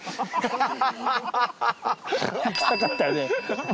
行きたかったよね。